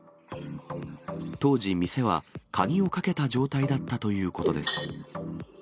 当時、店は鍵をかけた状態だったということです。